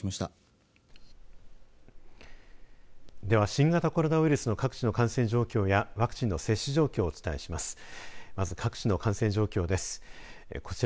では、新型コロナウイルスの各地の感染状況やワクチンの接種状況をお伝えします。